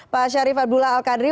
pak syarif abdullah al qadri